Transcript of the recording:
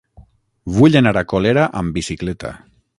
Vull anar a Colera amb bicicleta.